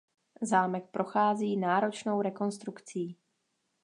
Zámek prochází náročnou rekonstrukcí.